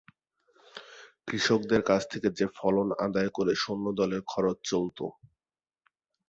কৃষকদের কাছ থেকে যে ফলন আদায় করে সৈন্যদলের খরচ চলত।